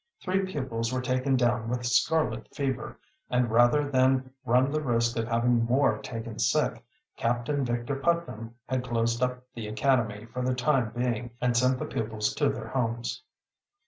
Three pupils were taken down with scarlet fever, and rather than run the risk of having more taken sick, Captain Victor Putnam had closed up the Academy for the time being, and sent the pupils to their homes.